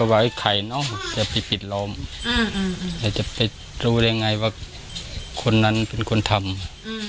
แล้วจะไปรู้ได้ยังไงว่าคนนั้นเป็นคนทำอืม